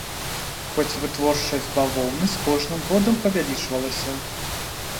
Хоць вытворчасць бавоўны з кожным годам павялічвалася.